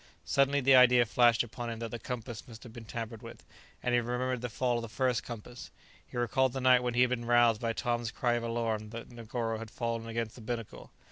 Suddenly the idea flashed upon him that the compass must have been tampered with; and he remembered the fall of the first compass; he recalled the night when he had been roused by Tom's cry of alarm that Negoro had fallen against the binnacle.